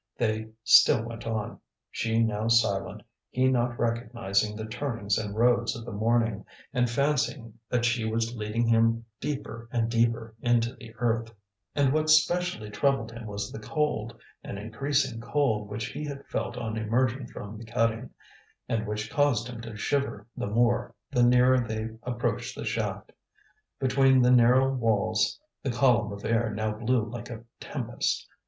They still went on, she now silent, he not recognizing the turnings and roads of the morning, and fancying that she was leading him deeper and deeper into the earth; and what specially troubled him was the cold, an increasing cold which he had felt on emerging from the cutting, and which caused him to shiver the more the nearer they approached the shaft. Between the narrow walls the column of air now blew like a tempest.